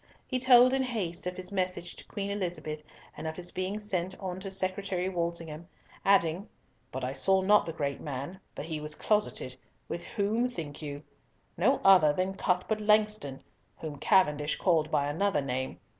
He told, in haste, of his message to Queen Elizabeth, and of his being sent on to Secretary Walsingham, adding, "But I saw not the great man, for he was closeted—with whom think you? No other than Cuthbert Langston, whom Cavendish called by another name.